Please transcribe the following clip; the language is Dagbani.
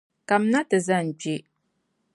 Kamina nti zani kpe.